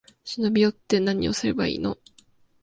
忍び寄って、なにをすればいいの？